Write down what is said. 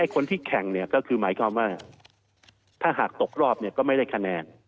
คนที่แข่งก็คือหมายความว่าถ้าหากตกรอบก็ไม่ได้คะแนน